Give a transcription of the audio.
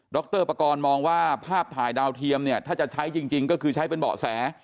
รปกรณ์มองว่าภาพถ่ายดาวเทียมเนี่ยถ้าจะใช้จริงก็คือใช้เป็นเบาะแส